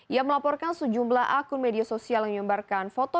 ia melaporkan sejumlah akun media sosial yang menyebarkan foto